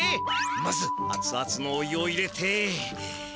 まずあつあつのお湯を入れて。